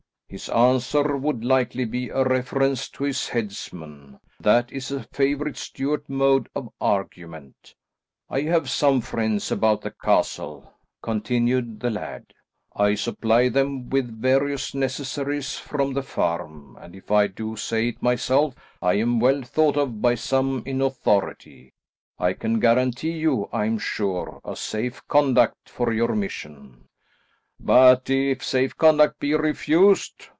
His answer would likely be a reference to his headsman; that is a favourite Stuart mode of argument. I have some friends about the castle," continued the laird. "I supply them with various necessaries from the farm; and if I do say it myself, I am well thought of by some in authority. I can guarantee you, I am sure, a safe conduct for your mission." "But if safe conduct be refused?"